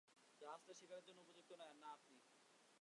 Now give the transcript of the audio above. জাহাজটা শিকারের জন্য উপযুক্ত নয়, আর না আপনি।